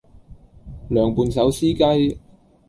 涼拌手撕雞